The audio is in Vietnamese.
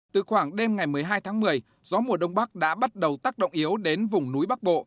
từ khoảng đêm ngày một mươi hai tháng một mươi gió mùa đông bắc đã bắt đầu tác động yếu đến vùng núi bắc bộ